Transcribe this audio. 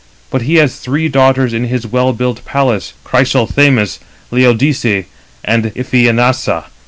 But he has three daughters in his well built palace,—Chrysothemis, Laodice, and Iphianassa.